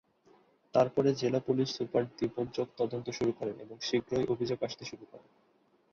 তারপরে জেলা police super Dipak যোগ তদন্ত শুরু করেন এবং শীঘ্রই অভিযোগ আসতে শুরু করে।